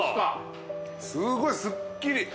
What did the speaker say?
すごいすっきり。